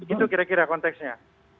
itu kira kira konteksnya